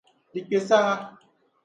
Di kpe saha.